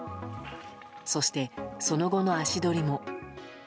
そして、その後の足取りも。